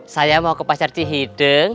saya mau ke pasar cih hideng